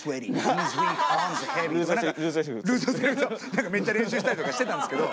何かめっちゃ練習したりとかしてたんですけど。